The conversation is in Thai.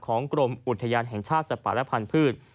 กรมอุทยานแห่งชาติสัตว์ป่าและพันธุ์